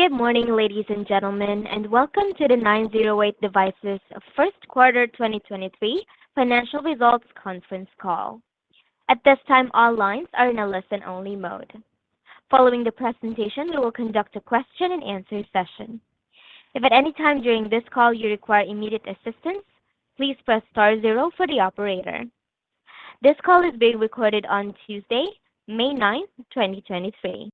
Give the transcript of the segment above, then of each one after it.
Good morning, ladies and gentlemen, welcome to the 908 Devices First Quarter 2023 financial results conference call. At this time, all lines are in a listen-only mode. Following the presentation, we will conduct a question-and-answer session. If at any time during this call you require immediate assistance, please press star zero for the operator. This call is being recorded on Tuesday, May ninth, 2023.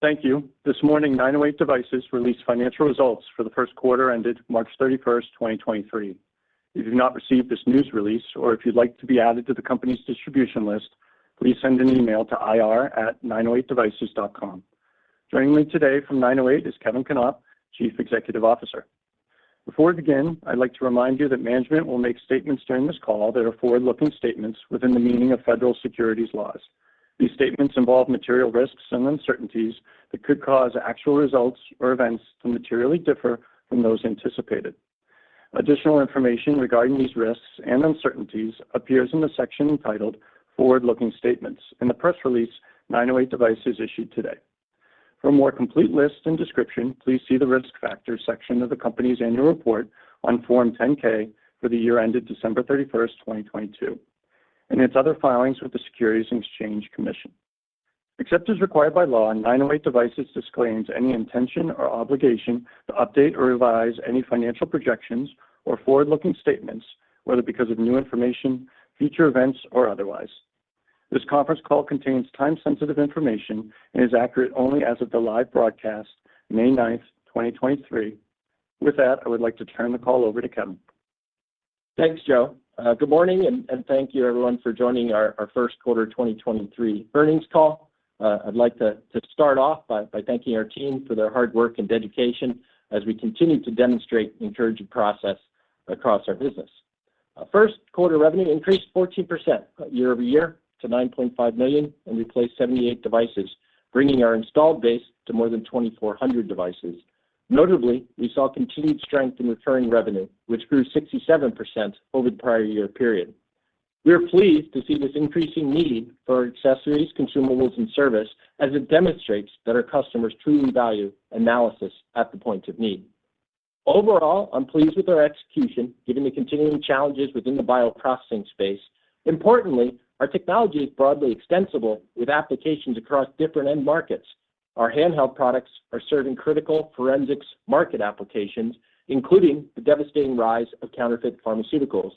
Thank you. This morning, 908 Devices released financial results for the 1st quarter ended March 31, 2023. If you've not received this news release, or if you'd like to be added to the company's distribution list, please send an email to ir@908devices.com. Joining me today from 908 Devices is Kevin Knopp, Chief Executive Officer. Before we begin, I'd like to remind you that management will make statements during this call that are forward-looking statements within the meaning of Federal Securities laws. These statements involve material risks and uncertainties that could cause actual results or events to materially differ from those anticipated. Additional information regarding these risks and uncertainties appears in the section entitled "Forward-Looking Statements" in the press release 908 Devices issued today. For a more complete list and description, please see the "Risk Factors" section of the company's annual report on Form 10-K for the year ended December 31st, 2022, and its other filings with the Securities and Exchange Commission. Except as required by law, 908 Devices disclaims any intention or obligation to update or revise any financial projections or forward-looking statements, whether because of new information, future events, or otherwise. This conference call contains time-sensitive information and is accurate only as of the live broadcast, May 9th, 2023. With that, I would like to turn the call over to Kevin. Thanks, Joe. Good morning, and thank you everyone for joining our first quarter 2023 earnings call. I'd like to start off by thanking our team for their hard work and dedication as we continue to demonstrate encouraging process across our business. Our first quarter revenue increased 14% year-over-year to $9.5 million, and we placed 78 devices, bringing our installed base to more than 2,400 devices. Notably, we saw continued strength in recurring revenue, which grew 67% over the prior year period. We are pleased to see this increasing need for accessories, consumables, and service as it demonstrates that our customers truly value analysis at the point of need. Overall, I'm pleased with our execution given the continuing challenges within the bioprocessing space. Importantly, our technology is broadly extensible with applications across different end markets. Our handheld products are serving critical forensics market applications, including the devastating rise of counterfeit pharmaceuticals.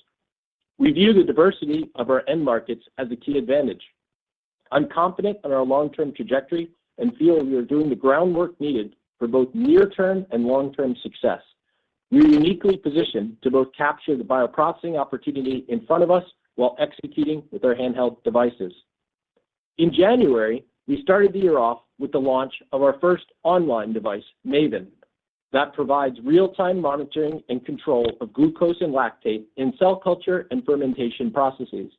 We view the diversity of our end markets as a key advantage. I'm confident in our long-term trajectory and feel we are doing the groundwork needed for both near-term and long-term success. We're uniquely positioned to both capture the bioprocessing opportunity in front of us while executing with our handheld devices. In January, we started the year off with the launch of our first online device, MAVEN. That provides real-time monitoring and control of glucose and lactate in cell culture and fermentation processes.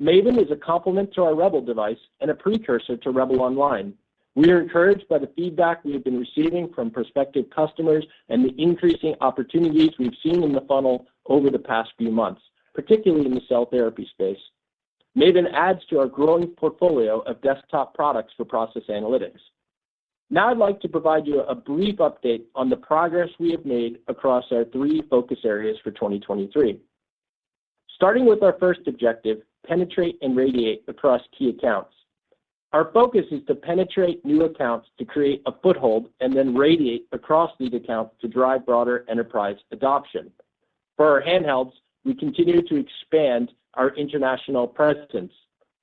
MAVEN is a complement to our REBEL device and a precursor to REBEL Online. We are encouraged by the feedback we have been receiving from prospective customers and the increasing opportunities we've seen in the funnel over the past few months, particularly in the cell therapy space. MAVEN adds to our growing portfolio of desktop products for process analytics. I'd like to provide you a brief update on the progress we have made across our three focus areas for 2023. Starting with our first objective, penetrate and radiate across key accounts. Our focus is to penetrate new accounts to create a foothold and then radiate across these accounts to drive broader enterprise adoption. For our handhelds, we continue to expand our international presence.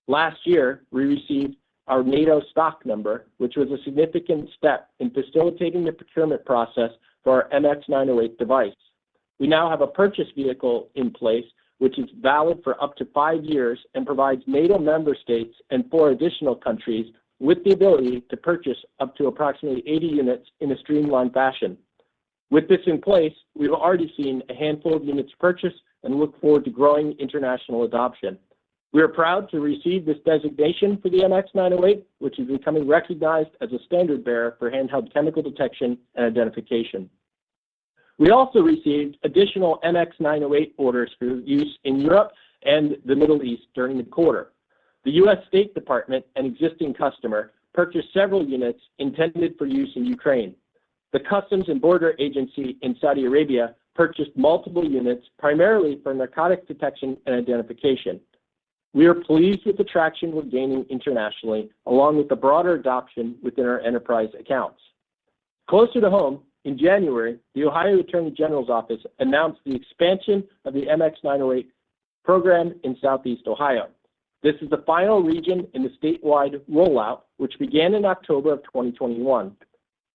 Last year, we received our NATO stock number, which was a significant step in facilitating the procurement process for our MX908 device. We now have a purchase vehicle in place, which is valid for up to 5 years and provides NATO member states and 4 additional countries with the ability to purchase up to approximately 80 units in a streamlined fashion. With this in place, we've already seen a handful of units purchased and look forward to growing international adoption. We are proud to receive this designation for the MX908, which is becoming recognized as a standard bearer for handheld chemical detection and identification. We also received additional MX908 orders for use in Europe and the Middle East during the quarter. The US State Department, an existing customer, purchased several units intended for use in Ukraine. The Customs and Border agency in Saudi Arabia purchased multiple units, primarily for narcotics detection and identification. We are pleased with the traction we're gaining internationally, along with the broader adoption within our enterprise accounts. Closer to home, in January, the Ohio Attorney General's Office announced the expansion of the MX908 program in Southeast Ohio. This is the final region in the statewide rollout, which began in October of 2021.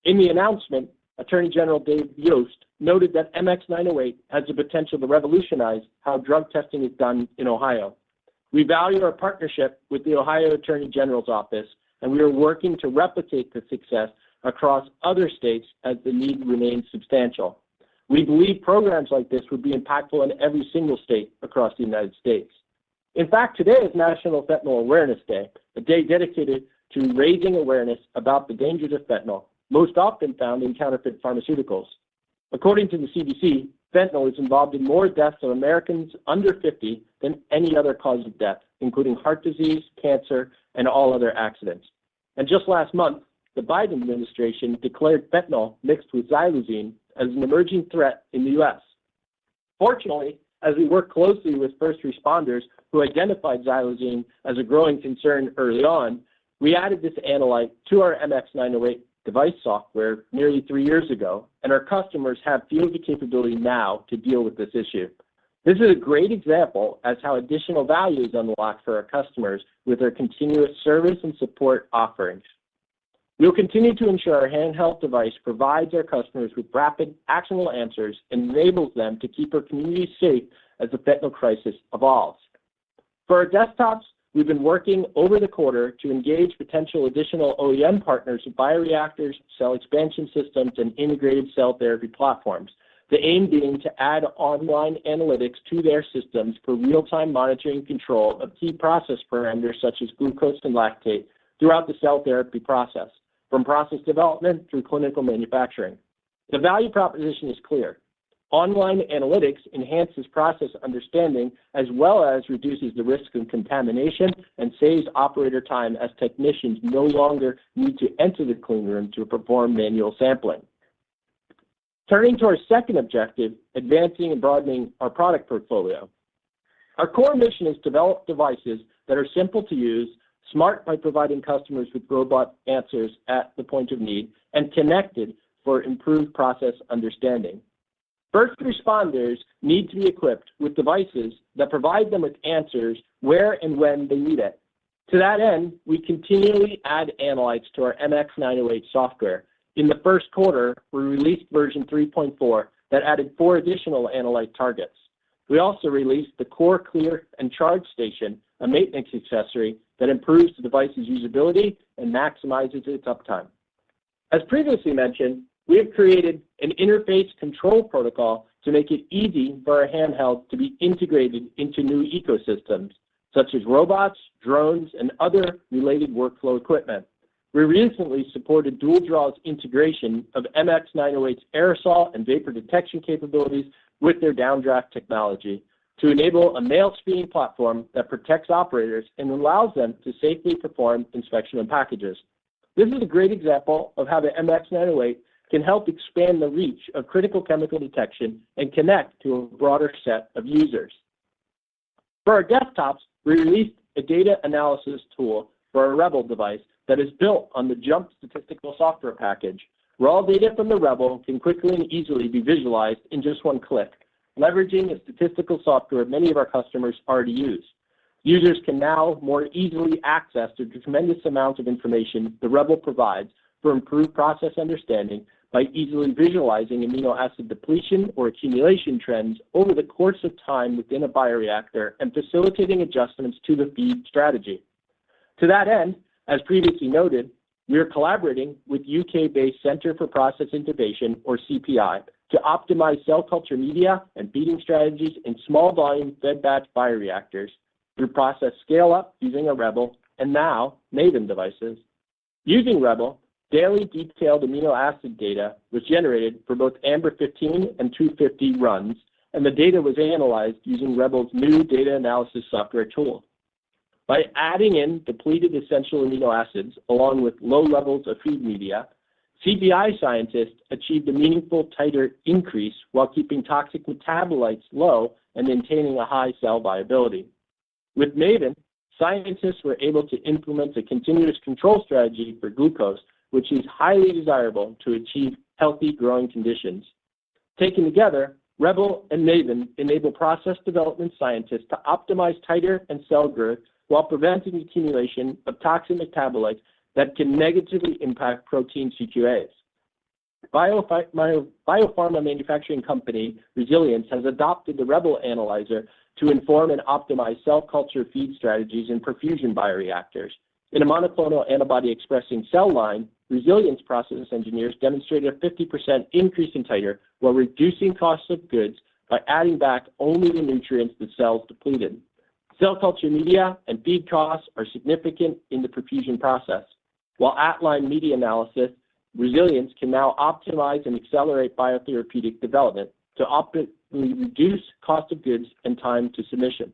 In the announcement, Attorney General Dave Yost noted that MX908 has the potential to revolutionize how drug testing is done in Ohio. We value our partnership with the Ohio Attorney General's Office, we are working to replicate the success across other states as the need remains substantial. We believe programs like this would be impactful in every single state across the United States. In fact, today is National Fentanyl Awareness Day, a day dedicated to raising awareness about the dangers of fentanyl, most often found in counterfeit pharmaceuticals. According to the CDC, fentanyl is involved in more deaths of Americans under 50 than any other cause of death, including heart disease, cancer, and all other accidents. Just last month, the Biden administration declared fentanyl mixed with xylazine as an emerging threat in the U.S. Fortunately, as we work closely with first responders who identified xylazine as a growing concern early on, we added this analyte to our MX908 device software nearly three years ago, and our customers have field capability now to deal with this issue. This is a great example as how additional value is unlocked for our customers with our continuous service and support offerings. We'll continue to ensure our handheld device provides our customers with rapid, actionable answers enables them to keep our community safe as the fentanyl crisis evolves. For our desktops, we've been working over the quarter to engage potential additional OEM partners with bioreactors, cell expansion systems, and integrated cell therapy platforms. The aim being to add online analytics to their systems for real-time monitoring control of key process parameters such as glucose and lactate throughout the cell therapy process, from process development through clinical manufacturing. The value proposition is clear. Online analytics enhances process understanding as well as reduces the risk of contamination and saves operator time as technicians no longer need to enter the clean room to perform manual sampling. Turning to our second objective, advancing and broadening our product portfolio. Our core mission is to develop devices that are simple to use, smart by providing customers with robust answers at the point of need, and connected for improved process understanding. First responders need to be equipped with devices that provide them with answers where and when they need it. To that end, we continually add analytes to our MX908 software. In the first quarter, we released version 3.4 that added four additional analyte targets. We also released the Aero Clear & Charge Station, a maintenance accessory that improves the device's usability and maximizes its uptime. As previously mentioned, we have created an interface control protocol to make it easy for our handheld to be integrated into new ecosystems such as robots, drones, and other related workflow equipment. We recently supported Dual-Draw's integration of MX908 aerosol and vapor detection capabilities with their downdraft technology to enable a mail screening platform that protects operators and allows them to safely perform inspection of packages. This is a great example of how the MX908 can help expand the reach of critical chemical detection and connect to a broader set of users. For our desktops, we released a data analysis tool for our REBEL device that is built on the JMP statistical software package, where all data from the REBEL can quickly and easily be visualized in just one click. Leveraging a statistical software many of our customers already use. Users can now more easily access the tremendous amount of information the REBEL provides for improved process understanding by easily visualizing amino acid depletion or accumulation trends over the course of time within a bioreactor and facilitating adjustments to the feed strategy. To that end, as previously noted, we are collaborating with UK-based Centre for Process Innovation, or CPI, to optimize cell culture media and feeding strategies in small volume fed-batch bioreactors through process scale up using a REBEL and now MAVEN devices. Using REBEL, daily detailed amino acid data was generated for both ambr 15 and 250 runs. The data was analyzed using REBEL's new data analysis software tool. By adding in depleted essential amino acids along with low levels of feed media, CPI scientists achieved a meaningful titer increase while keeping toxic metabolites low and maintaining a high cell viability. With MAVEN, scientists were able to implement a continuous control strategy for glucose, which is highly desirable to achieve healthy growing conditions. Taken together, REBEL and MAVEN enable process development scientists to optimize titer and cell growth while preventing accumulation of toxic metabolites that can negatively impact protein CQAs. Biopharma manufacturing company, Resilience, has adopted the REBEL analyzer to inform and optimize cell culture feed strategies in perfusion bioreactors. In a monoclonal antibody expressing cell line, Resilience process engineers demonstrated a 50% increase in titer while reducing costs of goods by adding back only the nutrients the cells depleted. Cell culture media and feed costs are significant in the perfusion process. While at-line media analysis, Resilience can now optimize and accelerate biotherapeutic development to optimally reduce cost of goods and time to submission.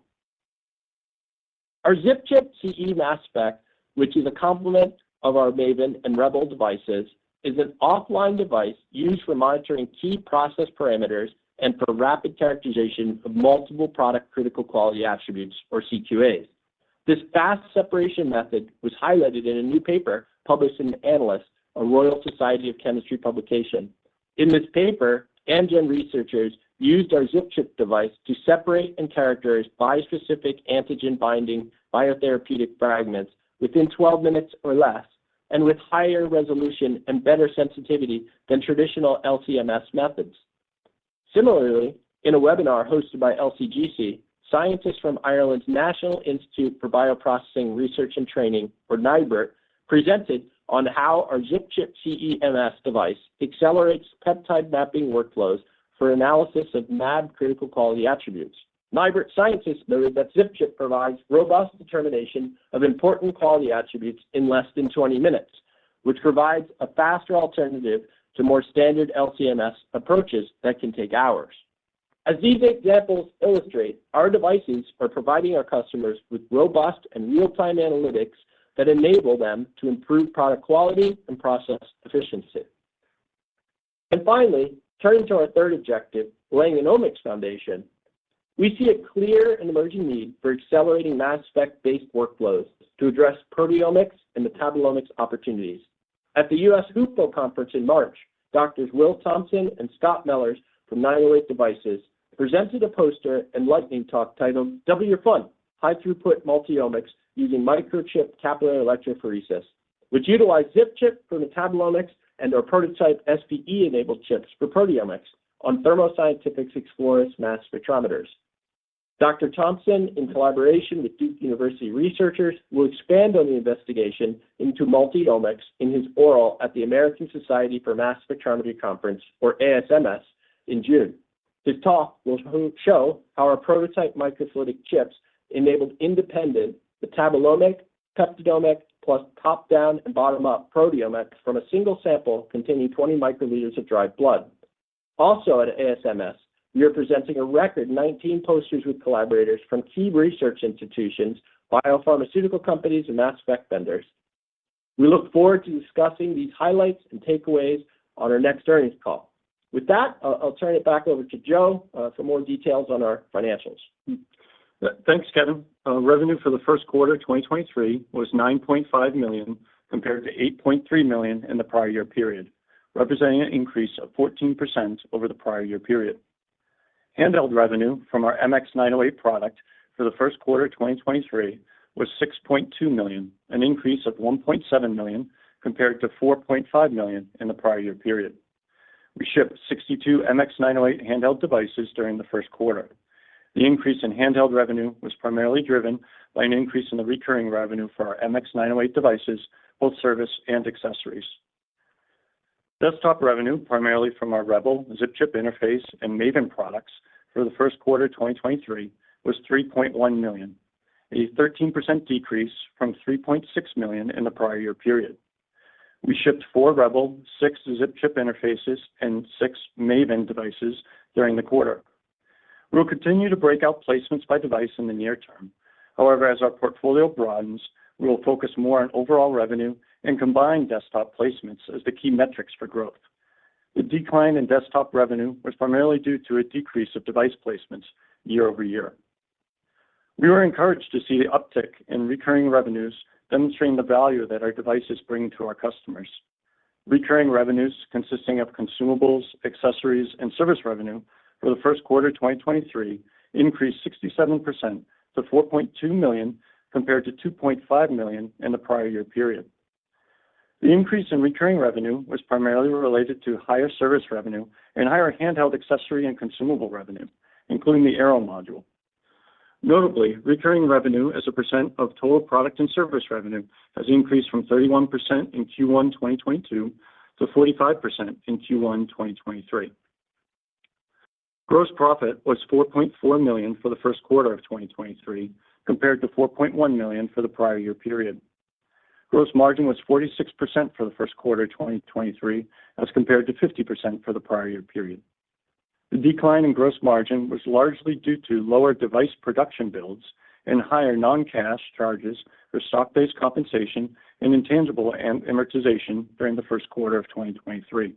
Our ZipChip CE-MS spec, which is a complement of our MAVEN and REBEL devices, is an offline device used for monitoring key process parameters and for rapid characterization of multiple product critical quality attributes or CQAs. This fast separation method was highlighted in a new paper published in Analyst, a Royal Society of Chemistry publication. In this paper, Amgen researchers used our ZipChip device to separate and characterize bispecific antigen-binding biotherapeutic fragments within 12 minutes or less, and with higher resolution and better sensitivity than traditional LC-MS methods. Similarly, in a webinar hosted by LCGC, scientists from Ireland's National Institute for Bioprocessing Research and Training, or NIBRT, presented on how our ZipChip CE-MS device accelerates peptide mapping workflows for analysis of MAb Critical Quality Attributes. NIBRT scientists noted that ZipChip provides robust determination of important quality attributes in less than 20 minutes, which provides a faster alternative to more standard LC-MS approaches that can take hours. As these examples illustrate, our devices are providing our customers with robust and real-time analytics that enable them to improve product quality and process efficiency. Finally, turning to our third objective, laying an omics foundation, we see a clear and emerging need for accelerating mass spec-based workflows to address proteomics and metabolomics opportunities. At the US HUPO conference in March, Doctors Will Thompson and J. Scott Mellors from 908 Devices presented a poster and lightning talk titled Double Your Fun: High-Throughput Multi-Omics Using Microchip Capillary Electrophoresis, which utilized ZipChip for metabolomics and our prototype SPE-enabled chips for proteomics on Thermo Scientific's Orbitrap Exploris mass spectrometers. Dr. Thompson, in collaboration with Duke University researchers, will expand on the investigation into multi-omics in his oral at the American Society for Mass Spectrometry Conference, or ASMS, in June. His talk will show how our prototype microfluidic chips enabled independent metabolomic, peptidomic, plus top-down and bottom-up proteomics from a single sample containing 20 microliters of dried blood. At ASMS, we are presenting a record 19 posters with collaborators from key research institutions, biopharmaceutical companies, and mass spec vendors. We look forward to discussing these highlights and takeaways on our next earnings call. With that, I'll turn it back over to Joe for more details on our financials. Thanks, Kevin. Revenue for the first quarter of 2023 was $9.5 million, compared to $8.3 million in the prior year period, representing an increase of 14% over the prior year period. Handheld revenue from our MX908 product for the first quarter of 2023 was $6.2 million, an increase of $1.7 million compared to $4.5 million in the prior year period. We shipped 62 MX908 handheld devices during the first quarter. The increase in handheld revenue was primarily driven by an increase in the recurring revenue for our MX908 devices, both service and accessories. Desktop revenue, primarily from our REBEL, ZipChip Interface, and MAVEN products for the first quarter of 2023 was $3.1 million, a 13% decrease from $3.6 million in the prior year period. We shipped four REBEL, six ZipChip Interfaces, and six MAVEN devices during the quarter. We will continue to break out placements by device in the near term. As our portfolio broadens, we will focus more on overall revenue and combine desktop placements as the key metrics for growth. The decline in desktop revenue was primarily due to a decrease of device placements year-over-year. We were encouraged to see the uptick in recurring revenues demonstrating the value that our devices bring to our customers. Recurring revenues consisting of consumables, accessories, and service revenue for the first quarter of 2023 increased 67% to $4.2 million, compared to $2.5 million in the prior year period. The increase in recurring revenue was primarily related to higher service revenue and higher handheld accessory and consumable revenue, including the Aero module. Notably, recurring revenue as a percent of total product and service revenue has increased from 31% in Q1, 2022 to 45% in Q1, 2023. Gross profit was $4.4 million for the first quarter of 2023, compared to $4.1 million for the prior year period. Gross margin was 46% for the first quarter of 2023 as compared to 50% for the prior year period. The decline in gross margin was largely due to lower device production builds and higher non-cash charges for stock-based compensation and intangible amortization during the first quarter of 2023.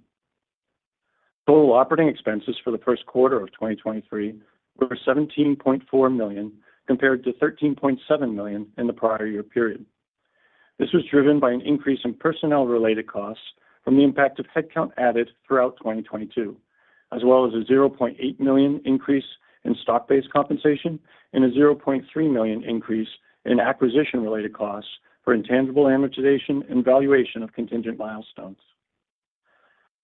Total operating expenses for the first quarter of 2023 were $17.4 million, compared to $13.7 million in the prior year period. This was driven by an increase in personnel-related costs from the impact of headcount added throughout 2022, as well as a $0.8 million increase in stock-based compensation and a $0.3 million increase in acquisition-related costs for intangible amortization and valuation of contingent milestones.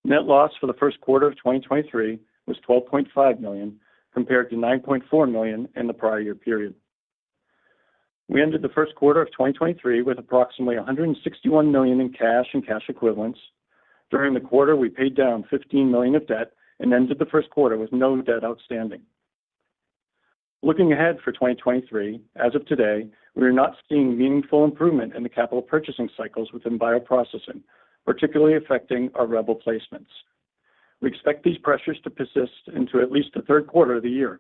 Net loss for the first quarter of 2023 was $12.5 million, compared to $9.4 million in the prior year period. We ended the first quarter of 2023 with approximately $161 million in cash and cash equivalents. During the quarter, we paid down $15 million of debt and ended the first quarter with no debt outstanding. Looking ahead for 2023, as of today, we are not seeing meaningful improvement in the capital purchasing cycles within bioprocessing, particularly affecting our REBEL placements. We expect these pressures to persist into at least the third quarter of the year.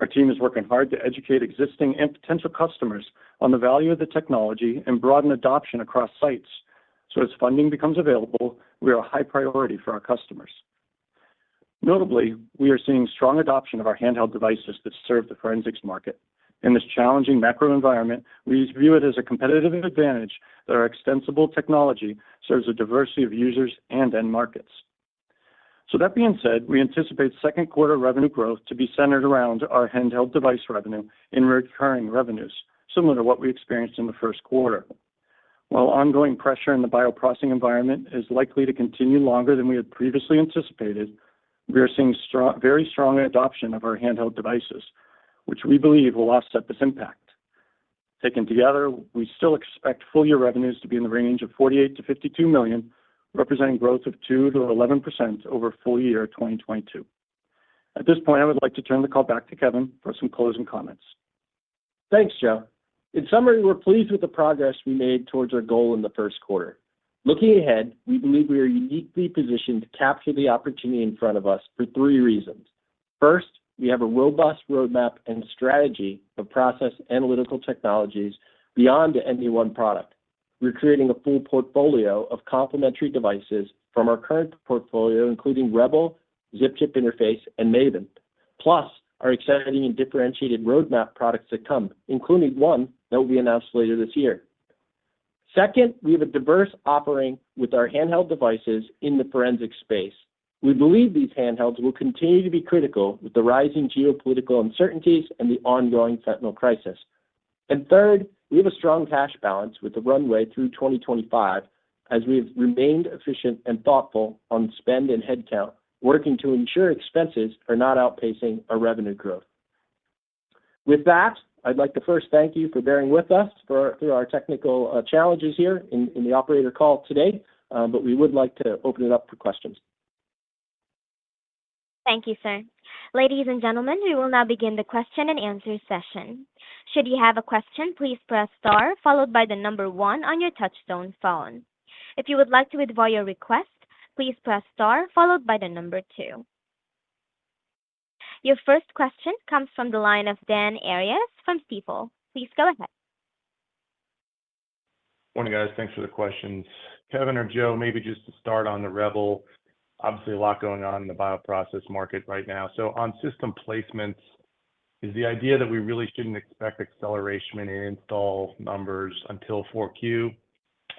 Our team is working hard to educate existing and potential customers on the value of the technology and broaden adoption across sites. As funding becomes available, we are a high priority for our customers. Notably, we are seeing strong adoption of our handheld devices that serve the forensics market. In this challenging macro environment, we view it as a competitive advantage that our extensible technology serves a diversity of users and end markets. That being said, we anticipate second quarter revenue growth to be centered around our handheld device revenue and recurring revenues, similar to what we experienced in the first quarter. While ongoing pressure in the bioprocessing environment is likely to continue longer than we had previously anticipated, we are seeing very strong adoption of our handheld devices, which we believe will offset this impact. Taken together, we still expect full year revenues to be in the range of $48 million-$52 million, representing growth of 2%-11% over full year 2022. At this point, I would like to turn the call back to Kevin for some closing comments. Thanks, Joe. In summary, we're pleased with the progress we made towards our goal in the first quarter. Looking ahead, we believe we are uniquely positioned to capture the opportunity in front of us for three reasons. First, we have a robust roadmap and strategy of process analytical technologies beyond the MPOne product. We're creating a full portfolio of complementary devices from our current portfolio, including REBEL, ZipChip Interface, and MAVEN. Plus, our exciting and differentiated roadmap products to come, including one that will be announced later this year. Second, we have a diverse offering with our handheld devices in the forensic space. We believe these handhelds will continue to be critical with the rising geopolitical uncertainties and the ongoing fentanyl crisis. Third, we have a strong cash balance with the runway through 2025 as we've remained efficient and thoughtful on spend and headcount, working to ensure expenses are not outpacing our revenue growth. With that, I'd like to first thank you for bearing with us through our technical challenges here in the operator call today. We would like to open it up for questions. Thank you, sir. Ladies and gentlemen, we will now begin the question and answer session. Should you have a question, please press star followed by the number 1 on your touch tone phone. If you would like to withdraw your request, please press star followed by the number 2. Your first question comes from the line of Dan Arias from Stifel. Please go ahead. Morning, guys. Thanks for the questions. Kevin or Joe, maybe just to start on the REBEL. Obviously, a lot going on in the bioprocess market right now. On system placements, is the idea that we really shouldn't expect acceleration in install numbers until 4Q,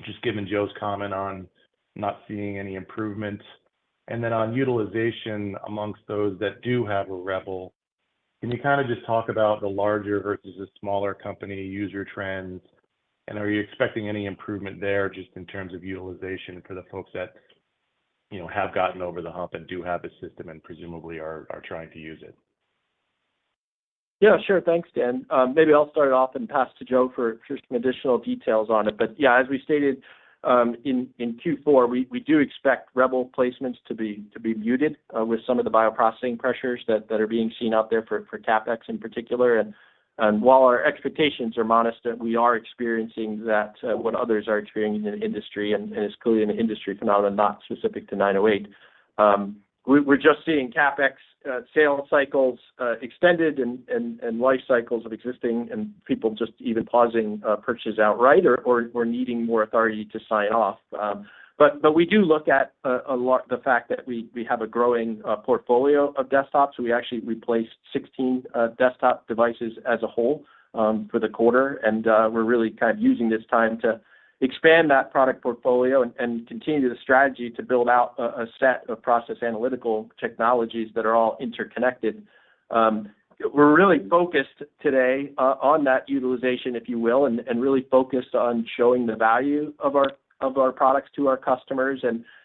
just given Joe's comment on not seeing any improvement. Then on utilization amongst those that do have a REBEL, can you kind of just talk about the larger versus the smaller company user trends, and are you expecting any improvement there just in terms of utilization for the folks that, you know, have gotten over the hump and do have a system and presumably are trying to use it? Yeah, sure. Thanks, Dan. Maybe I'll start off and pass to Joe for just some additional details on it. Yeah, as we stated, in Q4, we do expect REBEL placements to be muted with some of the bioprocessing pressures that are being seen out there for CapEx in particular. While our expectations are modest that we are experiencing that what others are experiencing in the industry, and it's clearly an industry phenomenon, not specific to nine oh eight. We're just seeing CapEx sales cycles extended and life cycles of existing and people just even pausing purchases outright or needing more authority to sign off. We do look at the fact that we have a growing portfolio of desktops. We actually replaced 16 desktop devices as a whole for the quarter. We're really kind of using this time to expand that product portfolio and continue the strategy to build out a set of process analytical technologies that are all interconnected. We're really focused today on that utilization, if you will, and really focused on showing the value of our products to our customers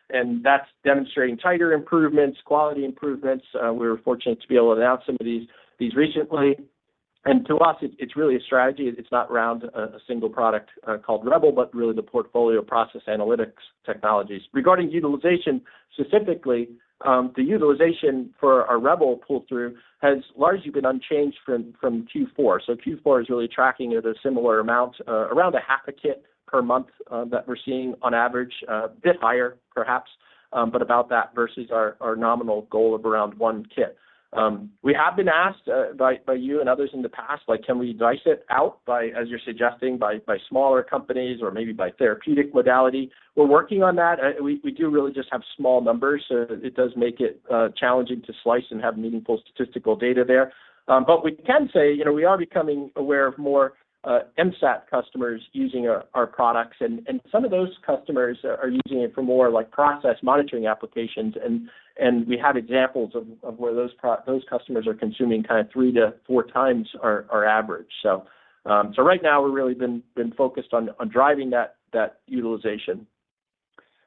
and that's demonstrating tighter improvements, quality improvements. We're fortunate to be able to announce some of these recently. To us, it's really a strategy. It's not around a single product, called REBEL, but really the portfolio process analytics technologies. Regarding utilization, specifically, the utilization for our REBEL pull-through has largely been unchanged from Q4. Q4 is really tracking at a similar amount, around 0.5 kit per month, that we're seeing on average. A bit higher perhaps, but about that versus our nominal goal of around 1 kit. We have been asked by you and others in the past, like, can we slice it out by, as you're suggesting, by smaller companies or maybe by therapeutic modality? We're working on that. We do really just have small numbers. It does make it challenging to slice and have meaningful statistical data there. We can say, you know, we are becoming aware of more MSAT customers using our products and some of those customers are using it for more like process monitoring applications and we have examples of where those customers are consuming kind of three to four times our average. Right now we're really been focused on driving that utilization.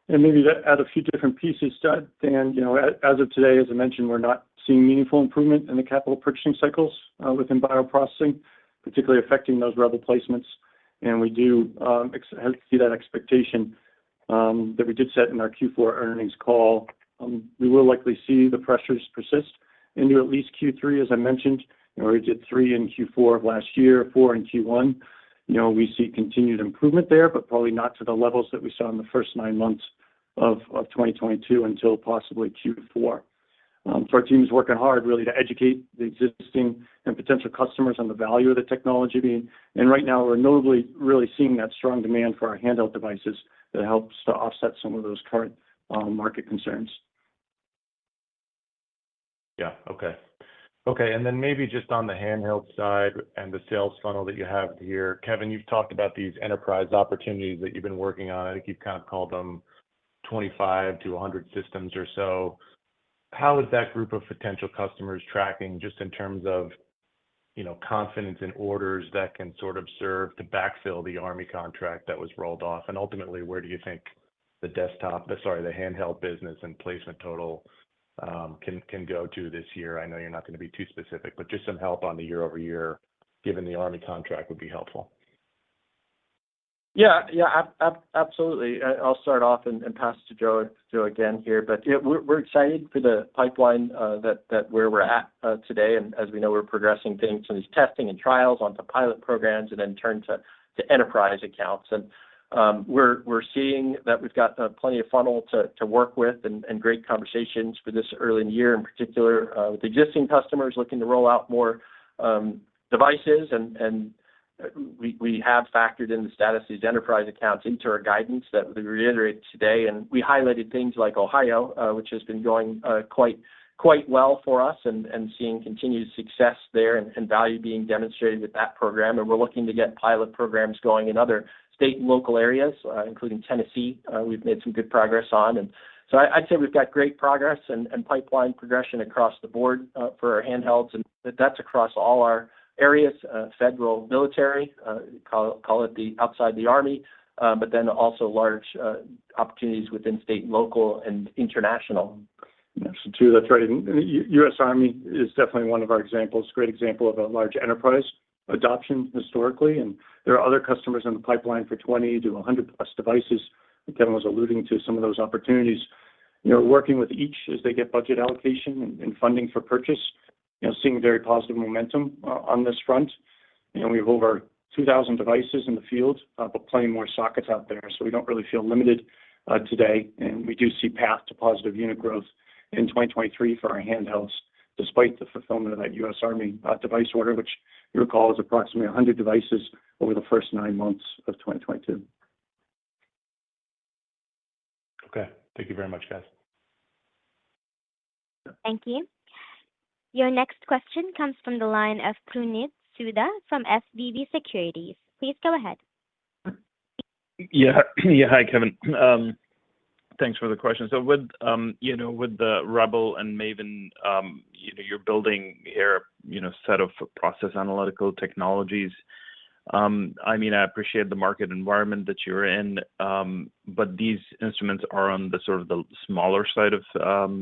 Maybe to add a few different pieces, Dan, you know, as of today, as I mentioned, we're not seeing meaningful improvement in the capital purchasing cycles within bioprocessing, particularly affecting those REBEL placements. We do see that expectation that we did set in our Q4 earnings call. We will likely see the pressures persist into at least Q3, as I mentioned. You know, we did 3 in Q4 of last year, 4 in Q1. You know, we see continued improvement there, but probably not to the levels that we saw in the first 9 months of 2022 until possibly Q4. Our team's working hard really to educate the existing and potential customers on the value of the technology. Right now we're notably really seeing that strong demand for our handheld devices that helps to offset some of those current market concerns. Yeah. Okay. Okay. Then maybe just on the handheld side and the sales funnel that you have here. Kevin, you've talked about these enterprise opportunities that you've been working on. I think you've kind of called them 25 to 100 systems or so. How is that group of potential customers tracking just in terms of, you know, confidence in orders that can sort of serve to backfill the U.S. Army contract that was rolled off? Ultimately, where do you think The handheld business and placement total can go to this year. I know you're not going to be too specific, but just some help on the year-over-year, given the U.S. Army contract would be helpful. Yeah. Absolutely. I'll start off and pass to Joe again here. Yeah, we're excited for the pipeline that where we're at today. As we know, we're progressing things from these testing and trials onto pilot programs and then turn to enterprise accounts. We're seeing that we've got plenty of funnel to work with and great conversations for this early in year, in particular, with existing customers looking to roll out more devices. We have factored in the status of these enterprise accounts into our guidance that we reiterated today. We highlighted things like Ohio, which has been going quite well for us and seeing continued success there and value being demonstrated with that program. We're looking to get pilot programs going in other state and local areas, including Tennessee, we've made some good progress on. I'd say we've got great progress and pipeline progression across the board for our handhelds, and that's across all our areas, federal, military, call it the outside the Army, but then also large opportunities within state and local and international. Yes. That's right. U.S. Army is definitely one of our examples, great example of a large enterprise adoption historically. There are other customers in the pipeline for 20-100+ devices that Kevin was alluding to some of those opportunities. You know, working with each as they get budget allocation and funding for purchase, you know, seeing very positive momentum on this front. You know, we have over 2,000 devices in the field, but plenty more sockets out there, so we don't really feel limited today. We do see path to positive unit growth in 2023 for our handhelds, despite the fulfillment of that U.S. Army device order, which you'll recall is approximately 100 devices over the first 9 months of 2022. Okay. Thank you very much, guys. Thank you. Your next question comes from the line of Puneet Souda from SVB Securities. Please go ahead. Yeah. Yeah, hi, Kevin. Thanks for the question. With the REBEL and MAVEN, you're building here a set of process analytical technologies. I mean, I appreciate the market environment that you're in, but these instruments are on the sort of the smaller side of,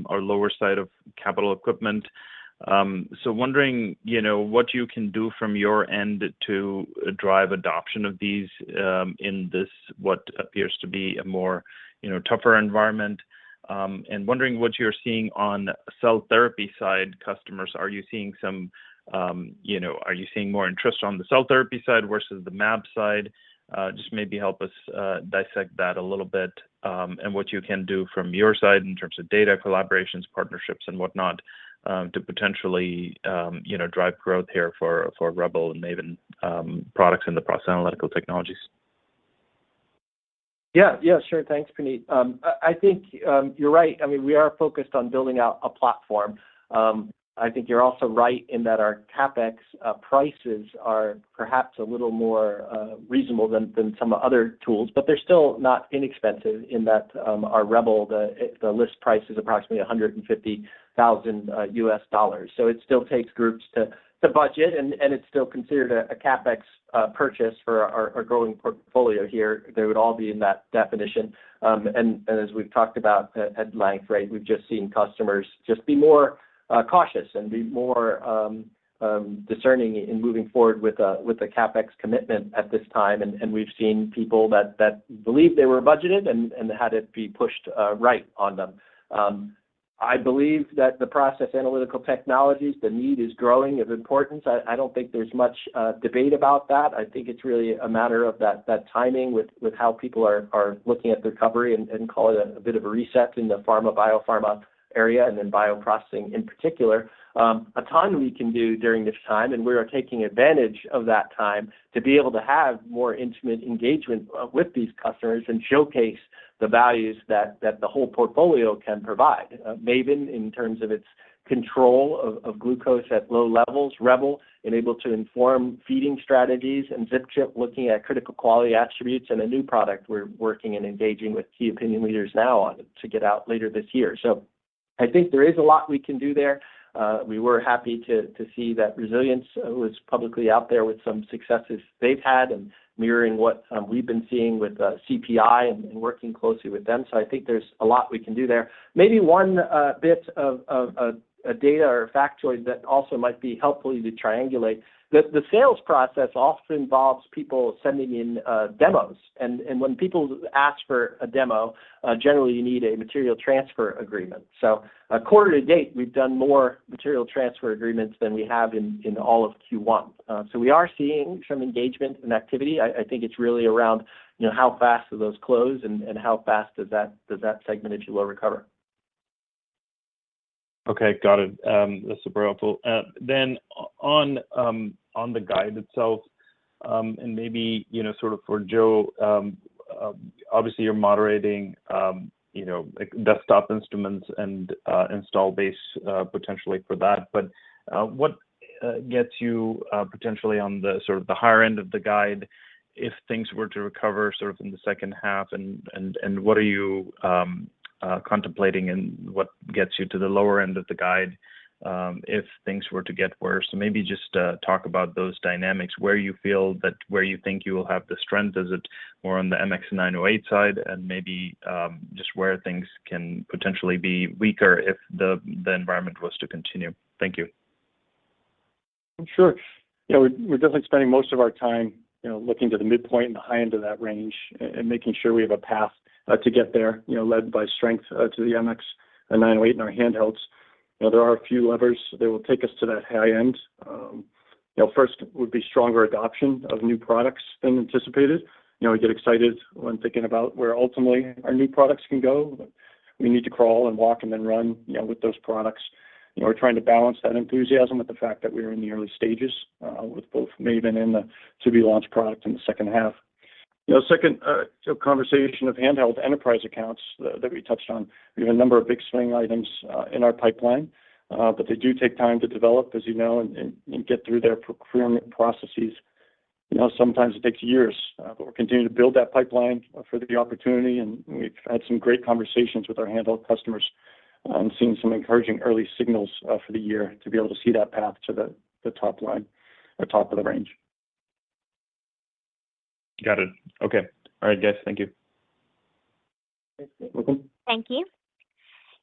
or lower side of capital equipment. Wondering what you can do from your end to drive adoption of these in this what appears to be a more tougher environment. Wondering what you're seeing on cell therapy side customers. Are you seeing some, are you seeing more interest on the cell therapy side versus the Mab side? just maybe help us dissect that a little bit, and what you can do from your side in terms of data collaborations, partnerships, and whatnot, to potentially, you know, drive growth here for REBEL and MAVEN products in the process analytical technologies. Yeah. Yeah, sure. Thanks, Puneet. I mean, you're right. We are focused on building out a platform. I think you're also right in that our CapEx prices are perhaps a little more reasonable than some other tools, but they're still not inexpensive in that our REBEL list price is approximately $150,000. It still takes groups to budget, and it's still considered a CapEx purchase for our growing portfolio here. They would all be in that definition. As we've talked about at length, right, we've just seen customers just be more cautious and be more discerning in moving forward with a CapEx commitment at this time. We've seen people that believe they were budgeted and had it be pushed right on them. I believe that the process analytical technologies, the need is growing of importance. I don't think there's much debate about that. I think it's really a matter of that timing with how people are looking at the recovery and call it a bit of a reset in the pharma, biopharma area, and then bioprocessing, in particular. A ton we can do during this time, and we are taking advantage of that time to be able to have more intimate engagement with these customers and showcase the values that the whole portfolio can provide. MAVEN, in terms of its control of glucose at low levels, REBEL, able to inform feeding strategies, and ZipChip looking at critical quality attributes and a new product we're working and engaging with key opinion leaders now on to get out later this year. I think there is a lot we can do there. We were happy to see that Resilience was publicly out there with some successes they've had and mirroring what we've been seeing with CPI and working closely with them. I think there's a lot we can do there. Maybe one bit of a data or a factoid that also might be helpful to triangulate. The sales process often involves people sending in demos. When people ask for a demo, generally you need a material transfer agreement. According to date, we've done more material transfer agreements than we have in all of Q1. We are seeing some engagement and activity. I think it's really around, you know, how fast do those close and how fast does that segment, if you will, recover. Okay. Got it. That's super helpful. On the guide itself, and maybe, you know, sort of for Joe, obviously you're moderating, you know, like desktop instruments and install base potentially for that. What gets you potentially on the sort of the higher end of the guide if things were to recover sort of in the second half and what are you? Contemplating in what gets you to the lower end of the guide, if things were to get worse. Talk about those dynamics, where you think you will have the strength. Is it more on the MX908 side? Just where things can potentially be weaker if the environment was to continue. Thank you. Sure. You know, we're definitely spending most of our time, you know, looking to the midpoint and the high end of that range and making sure we have a path to get there, you know, led by strength to the MX and 908 and our handhelds. You know, there are a few levers that will take us to that high end. You know, first would be stronger adoption of new products than anticipated. You know, we get excited when thinking about where ultimately our new products can go, but we need to crawl and walk and then run, you know, with those products. You know, we're trying to balance that enthusiasm with the fact that we are in the early stages with both MAVEN and the to-be-launched product in the second half. You know, second, so conversation of handheld enterprise accounts that we touched on, we have a number of big swing items in our pipeline, but they do take time to develop as you know, and get through their procurement processes. You know, sometimes it takes years. We're continuing to build that pipeline for the opportunity, and we've had some great conversations with our handheld customers and seen some encouraging early signals for the year to be able to see that path to the top line or top of the range. Got it. Okay. All right guys, thank you. Welcome. Thank you.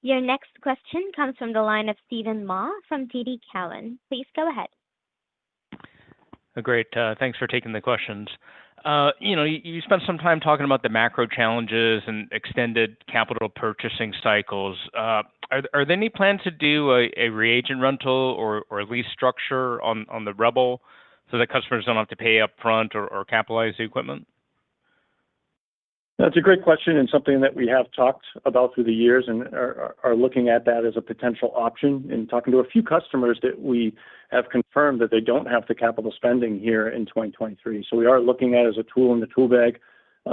Your next question comes from the line of Steven Mah from TD Cowen. Please go ahead. Great. Thanks for taking the questions. You know, you spent some time talking about the macro challenges and extended capital purchasing cycles. Are, are there any plans to do a reagent rental or a lease structure on the REBEL so that customers don't have to pay upfront or capitalize the equipment? That's a great question and something that we have talked about through the years and are looking at that as a potential option. In talking to a few customers that we have confirmed that they don't have the capital spending here in 2023. We are looking at as a tool in the tool bag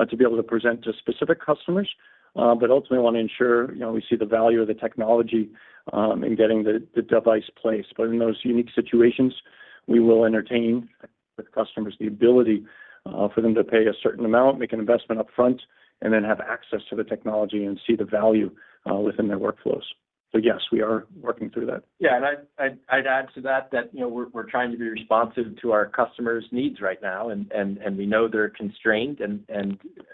to be able to present to specific customers, but ultimately wanna ensure, you know, we see the value of the technology in getting the device placed. In those unique situations, we will entertain with customers the ability for them to pay a certain amount, make an investment up front, and then have access to the technology and see the value within their workflows. Yes, we are working through that. Yeah. I'd add to that, you know, we're trying to be responsive to our customers' needs right now, and we know they're constrained and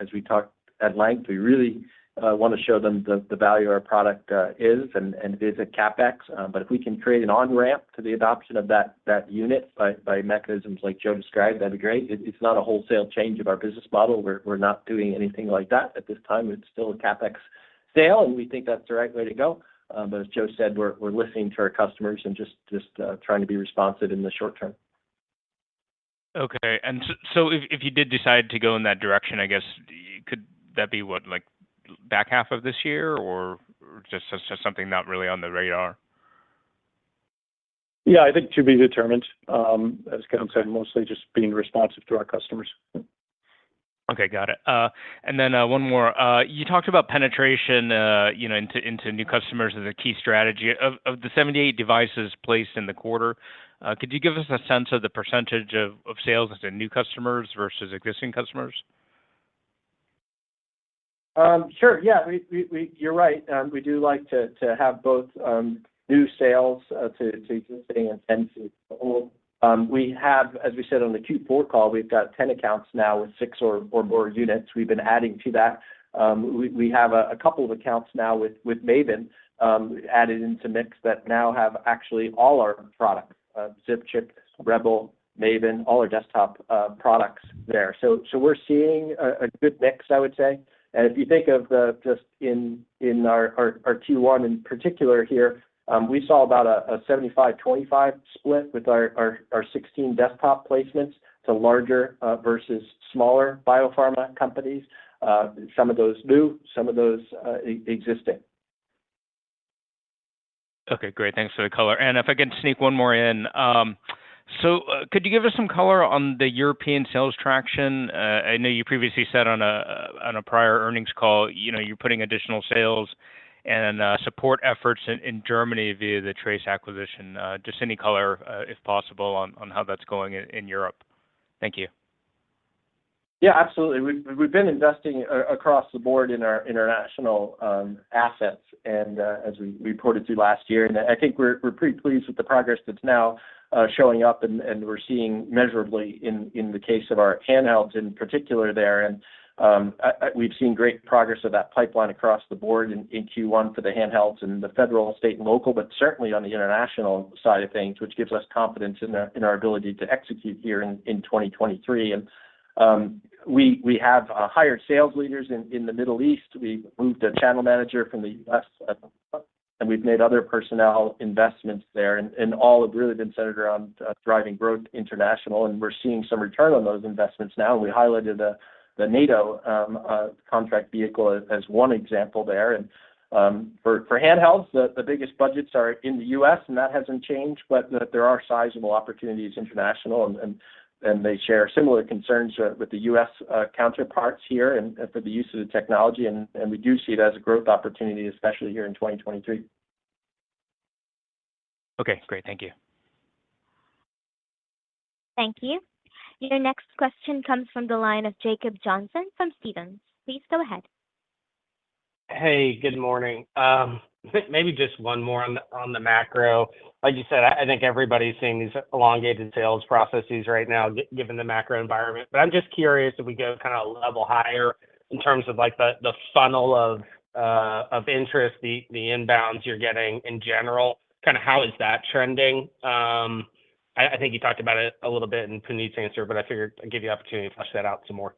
as we talked at length, we really wanna show them the value our product is and is a CapEx, but if we can create an on-ramp to the adoption of that unit by mechanisms like Joe described, that'd be great. It's not a wholesale change of our business model. We're not doing anything like that at this time. It's still a CapEx sale. We think that's the right way to go. As Joe said, we're listening to our customers and just trying to be responsive in the short term. Okay. so if you did decide to go in that direction, I guess could that be what, like back half of this year or just something not really on the radar? Yeah, I think to be determined. As Kevin said, mostly just being responsive to our customers. Okay. Got it. One more. You talked about penetration, you know, into new customers as a key strategy. Of the 78 devices placed in the quarter, could you give us a sense of the % of sales to new customers versus existing customers? Sure, yeah. We, you're right. We do like to have both new sales to existing and then to old. We have, as we said on the Q4 call, we've got 10 accounts now with 6 or more units. We've been adding to that. We have a couple of accounts now with MAVEN added into mix that now have actually all our products, ZipChip, REBEL, MAVEN, all our desktop products there. We're seeing a good mix, I would say. If you think of the just in our Q1 in particular here, we saw about a 75, 25 split with our 16 desktop placements to larger versus smaller biopharma companies. Some of those new, some of those existing. Okay. Great. Thanks for the color. If I can sneak one more in, could you give us some color on the European sales traction? I know you previously said on a prior earnings call, you know, you're putting additional sales and support efforts in Germany via the TRACE acquisition. Just any color, if possible on how that's going in Europe. Thank you. Yeah, absolutely. We've been investing across the board in our international assets and as we reported through last year. I think we're pretty pleased with the progress that's now showing up and we're seeing measurably in the case of our handhelds in particular there. We've seen great progress of that pipeline across the board in Q1 for the handhelds in the federal, state, and local, but certainly on the international side of things, which gives us confidence in our ability to execute here in 2023. We have hired sales leaders in the Middle East. We moved a channel manager from the U.S. at the , and we've made other personnel investments there. All have really been centered around driving growth international, and we're seeing some return on those investments now. We highlighted the NATO contract vehicle as one example there. For handhelds, the biggest budgets are in the US, and that hasn't changed. There are sizable opportunities international and they share similar concerns with the US counterparts here and for the use of the technology. We do see it as a growth opportunity, especially here in 2023. Okay, great. Thank you. Thank you. Your next question comes from the line of Jacob Johnson from Stephens. Please go ahead. Hey, good morning. Maybe just one more on the macro. Like you said, I think everybody's seeing these elongated sales processes right now given the macro environment. I'm just curious if we go kind of a level higher in terms of like the funnel of interest, the inbounds you're getting in general. Kind of how is that trending? I think you talked about it a little bit in Puneet's answer, but I figured I'd give you an opportunity to flesh that out some more.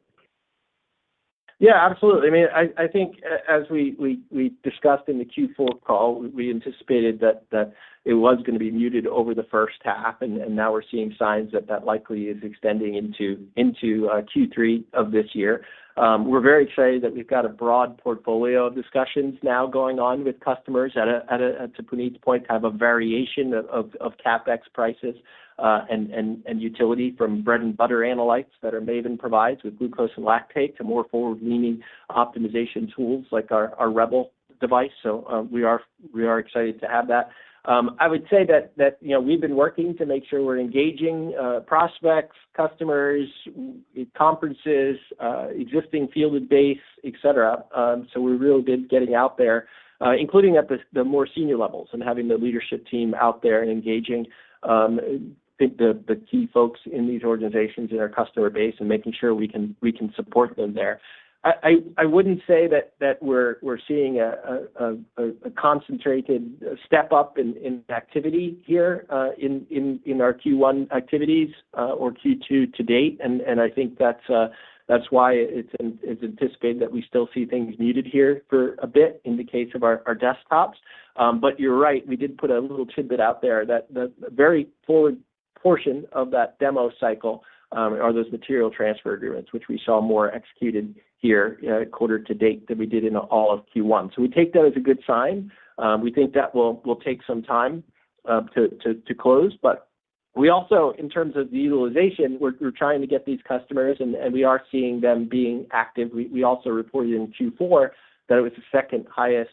Yeah, absolutely. I mean, I think as we discussed in the Q4 call, we anticipated that it was gonna be muted over the first half, and now we're seeing signs that that likely is extending into Q3 of this year. We're very excited that we've got a broad portfolio of discussions now going on with customers at a to Puneet's point, have a variation of CapEx prices, and utility from bread and butter analytes that our MAVEN provides with glucose and lactate to more forward-leaning optimization tools like our REBEL device. We are excited to have that. I would say that, you know, we've been working to make sure we're engaging prospects, customers, conferences, existing fielded base, et cetera. So we're real good getting out there, including at the more senior levels and having the leadership team out there and engaging the key folks in these organizations in our customer base and making sure we can support them there. I wouldn't say that we're seeing a concentrated step up in activity here in our Q1 activities or Q2 to date. I think that's why it's anticipated that we still see things muted here for a bit in the case of our desktops. You're right, we did put a little tidbit out there that the very forward portion of that demo cycle are those material transfer agreements, which we saw more executed here quarter to date than we did in all of Q1. We take that as a good sign. We think that will take some time to close. We also, in terms of the utilization, we're trying to get these customers and we are seeing them being active. We also reported in Q4 that it was the second highest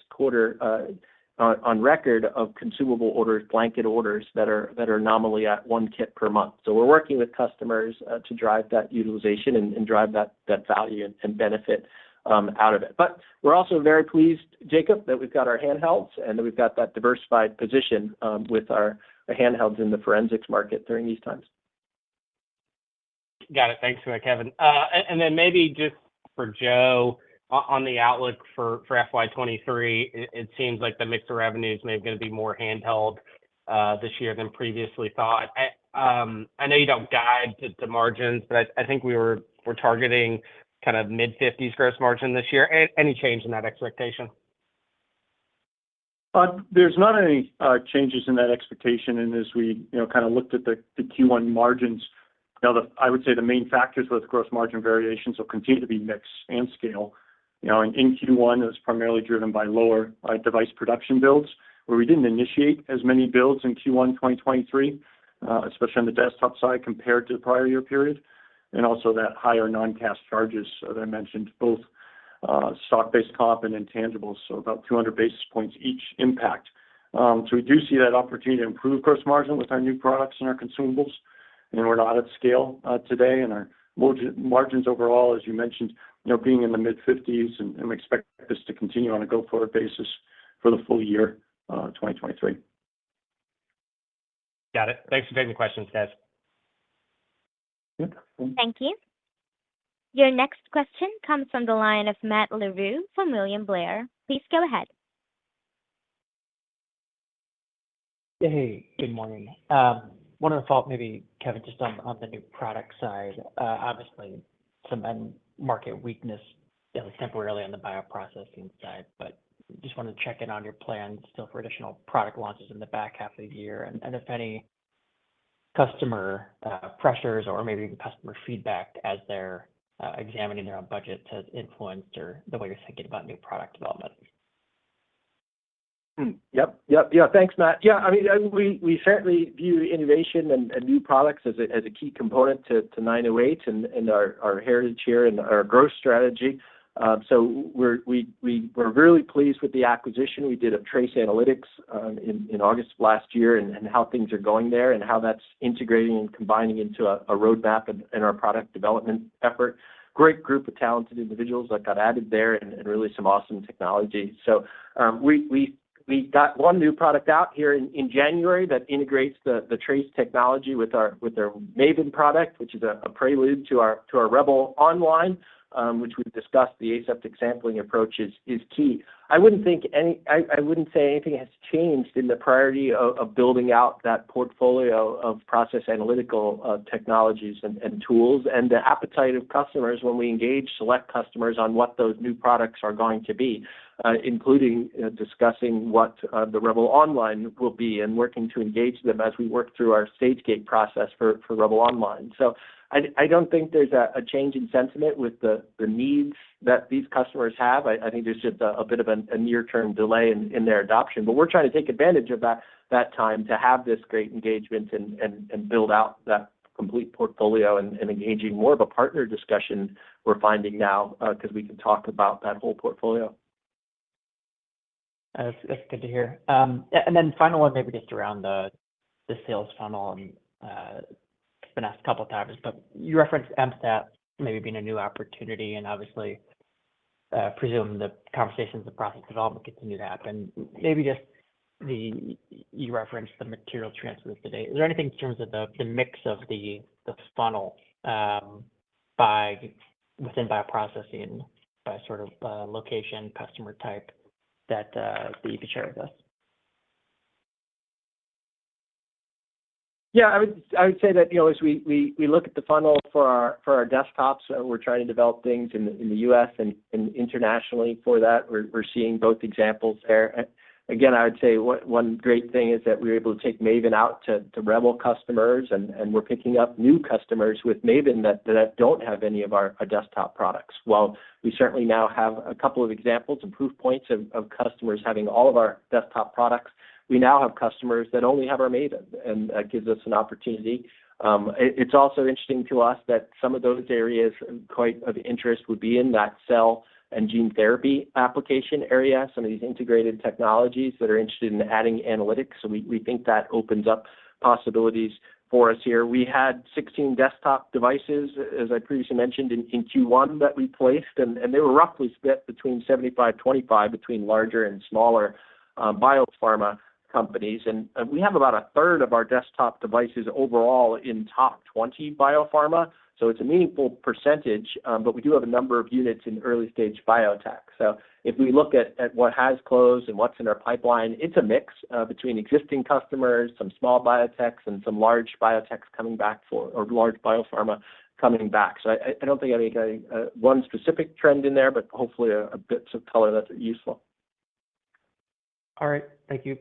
quarter on record of consumable orders, blanket orders that are nominally at one kit per month. We're working with customers to drive that utilization and drive that value and benefit out of it. We're also very pleased, Jacob, that we've got our handhelds and that we've got that diversified position, with our handhelds in the forensics market during these times. Got it. Thanks for that, Kevin. Then maybe just for Joe, on the outlook for FY 2023, it seems like the mix of revenues may gonna be more handheld this year than previously thought. I know you don't guide to margins, but I think we're targeting kind of mid-50s gross margin this year. Any change in that expectation? There's not any changes in that expectation. As we, you know, kind of looked at the Q1 margins, you know, I would say the main factors for the gross margin variations will continue to be mix and scale. You know, in Q1, it was primarily driven by lower device production builds, where we didn't initiate as many builds in Q1 2023, especially on the desktop side compared to the prior year period, and also that higher non-cash charges that I mentioned, both stock-based comp and intangibles, so about 200 basis points each impact. We do see that opportunity to improve gross margin with our new products and our consumables. You know, we're not at scale today, and our margins overall, as you mentioned, you know, being in the mid-50s%, and we expect this to continue on a go-forward basis for the full year, 2023. Got it. Thanks for taking the questions, guys. Yep. Thank you. Your next question comes from the line of Matt Larew from William Blair. Please go ahead. Hey, good morning. One other follow-up, maybe, Kevin, just on the new product side. Obviously some end market weakness, you know, temporarily on the bioprocessing side. Just wanted to check in on your plans still for additional product launches in the back half of the year. If any customer pressures or maybe even customer feedback as they're examining their own budget has influenced or the way you're thinking about new product development. Yep. Yep. Thanks, Matt. I mean, we certainly view innovation and new products as a, as a key component to 908 and our heritage here and our growth strategy. We were really pleased with the acquisition we did of TRACE Analytics in August of last year and how things are going there and how that's integrating and combining into a roadmap in our product development effort. Great group of talented individuals that got added there and really some awesome technology. We got one new product out here in January that integrates the TRACE technology with our, with our MAVEN product, which is a prelude to our, to our REBEL Online, which we've discussed the aseptic sampling approach is key. I wouldn't say anything has changed in the priority of building out that portfolio of process analytical technologies and tools and the appetite of customers when we engage select customers on what those new products are going to be, including discussing what the REBEL Online will be and working to engage them as we work through our stage gate process for REBEL Online. I don't think there's a change in sentiment with the needs that these customers have. I think there's just a bit of a near-term delay in their adoption. We're trying to take advantage of that time to have this great engagement and build out that complete portfolio and engaging more of a partner discussion we're finding now, 'cause we can talk about that whole portfolio. That's good to hear. Final one maybe just around the sales funnel and it's been asked 2 times, but you referenced MSAT maybe being a new opportunity, and obviously, presuming the conversations, the process development continue to happen. Maybe just you referenced the material transfers to date. Is there anything in terms of the mix of the funnel within bioprocessing by sort of location, customer type that you could share with us? Yeah, I would say that, you know, as we look at the funnel for our desktops, we're trying to develop things in the U.S. and internationally for that. We're seeing both examples there. Again, I would say one great thing is that we're able to take MAVEN out to REBEL customers and we're picking up new customers with MAVEN that don't have any of our desktop products. While we certainly now have a couple of examples and proof points of customers having all of our desktop products, we now have customers that only have our MAVEN, and gives us an opportunity. It's also interesting to us that some of those areas quite of interest would be in that cell and gene therapy application area, some of these integrated technologies that are interested in adding analytics. We think that opens up possibilities for us here. We had 16 desktop devices, as I previously mentioned, in Q1 that we placed, and they were roughly split between 75-25 between larger and smaller biopharma companies. We have about a third of our desktop devices overall in top 20 biopharma. It's a meaningful percentage, but we do have a number of units in early-stage biotech. If we look at what has closed and what's in our pipeline, it's a mix between existing customers, some small biotechs and some large biotechs coming back for or large biopharma coming back. I don't think I'm getting one specific trend in there, but hopefully a bits of color that's useful. All right. Thank you.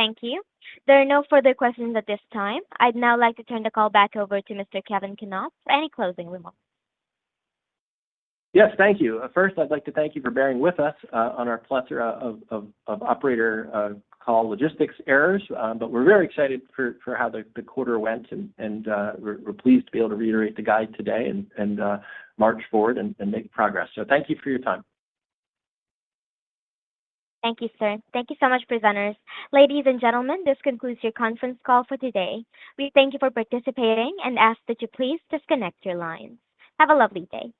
Thank you. There are no further questions at this time. I'd now like to turn the call back over to Mr. Kevin Knopp for any closing remarks. Yes. Thank you. First, I'd like to thank you for bearing with us, on our plethora of operator call logistics errors. We're very excited for how the quarter went, and we're pleased to be able to reiterate the guide today and march forward and make progress. Thank you for your time. Thank you, sir. Thank you so much, presenters. Ladies and gentlemen, this concludes your conference call for today. We thank you for participating and ask that you please disconnect your lines. Have a lovely day.